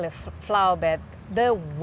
atau bunga tertentu